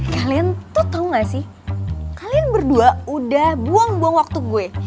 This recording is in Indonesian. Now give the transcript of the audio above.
kalian tuh tahu gak sih kalian berdua udah buang buang waktu gue